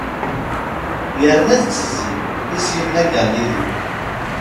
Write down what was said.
Yerna tettezzi, i s-yenna Galili.